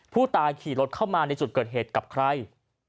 ผู้ตายขี่รถเข้ามาในจุดเกิดเหตุกับใคร